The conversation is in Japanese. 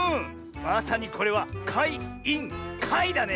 まさにこれはかいインかいだね。